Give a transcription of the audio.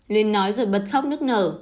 luyến nói rồi bật khóc nức nở